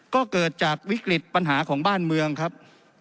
ก็เกิดจากวิกฤตปัญหาของบ้านเมืองครับ